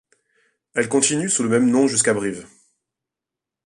Elle continue sous le même nom jusqu'à Brive.